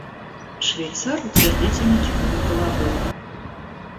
Швейцар утвердительно кивнул головой.